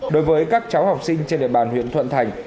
đối với các cháu học sinh trên địa bàn huyện thuận thành